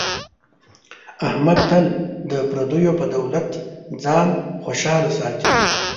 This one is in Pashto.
احمد تل د پردیو په دولت ځان خوشحاله ساتي.